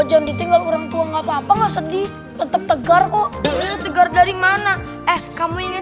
jangan ditinggal orang tua nggak papa papa sedih tetap tegar kok tegar dari mana eh kamu ini